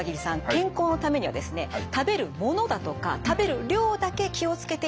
健康のためにはですね食べるものだとか食べる量だけ気を付けていては駄目なんです。